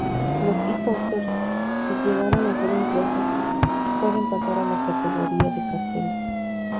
Los "e-pósteres", si llegaran a ser impresos, pueden pasar a la categoría de carteles.